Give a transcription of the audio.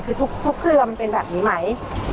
คือทุกเครือมันเป็นแบบนี้ไหม